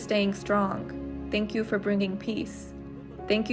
terima kasih untuk memberikan keamanan